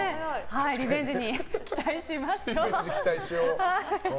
リベンジに期待しましょう。